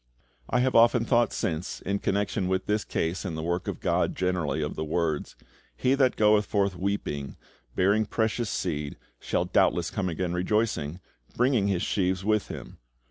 I have often thought since, in connection with this case and the work of GOD generally, of the words, "He that goeth forth weeping, bearing precious seed, shall doubtless come again rejoicing, bringing his sheaves with him."